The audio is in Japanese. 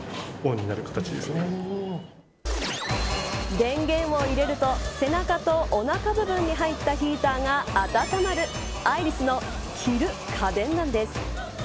電源を入れると背中とおなか部分に入ったヒーターが温まるアイリスの、着る家電なんです。